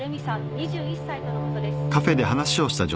２１歳とのことです。